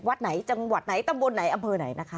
วัดไหนจังหวัดไหนตำบลไหนอำเภอไหนนะคะ